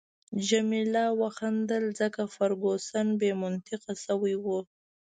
جميله وخندل، ځکه فرګوسن بې منطقه شوې وه.